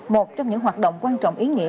một trong những hoạt động quan trọng ý nghĩa